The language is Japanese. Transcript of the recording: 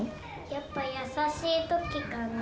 やっぱ優しいときかな。